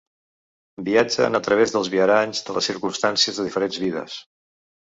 Viatgen a través dels viaranys de les circumstàncies de diferents vides.